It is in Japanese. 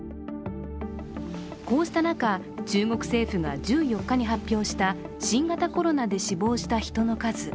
こうした中、中国政府が１４日に発表した新型コロナで死亡した人の数。